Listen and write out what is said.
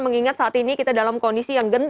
mengingat saat ini kita dalam kondisi yang genting